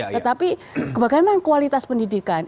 tetapi bagaimana kualitas pendidikan